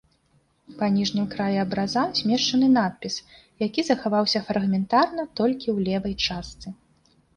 Па ніжнім краі абраза змешчаны надпіс, які захаваўся фрагментарна толькі ў левай частцы.